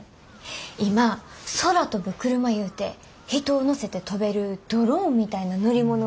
今空飛ぶクルマいうて人を乗せて飛べるドローンみたいな乗り物を開発してはるんです。